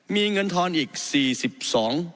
มีเงินทรอนอีกสี่สิบสอง